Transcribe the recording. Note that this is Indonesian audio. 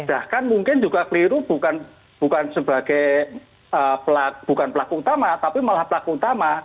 bahkan mungkin juga keliru bukan sebagai pelaku bukan pelaku utama tapi malah pelaku utama